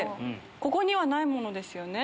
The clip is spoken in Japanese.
ここにはないものですよね？